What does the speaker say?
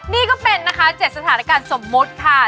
นี่ก็เป็นนะคะ๗สถานการณ์สมมุติค่ะ